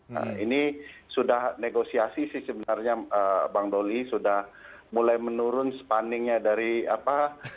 nah ini sudah negosiasi sih sebenarnya bang doli sudah mulai menurun spanningnya dari apa